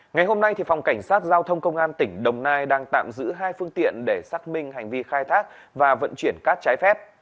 ngày hôm nay phòng cảnh sát giao thông công an tỉnh đồng nai đang tạm giữ hai phương tiện để xác minh hành vi khai thác và vận chuyển cát trái phép